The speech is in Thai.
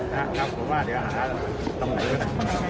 ถ้าหัวิวไปตรงไหนด้วย